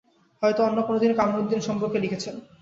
হয়তো অন্য কোনো কামরুদিন সম্পর্কে লিখেছেন।